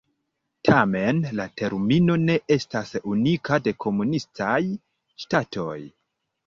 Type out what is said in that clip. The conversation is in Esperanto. Tamen, la termino ne estas unika de komunistaj ŝtatoj.